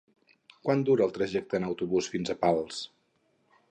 Quant dura el trajecte en autobús fins a Pals?